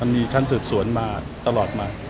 มีชั้นสืบสวนมาตลอดมา